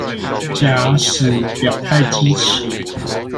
假使表態支持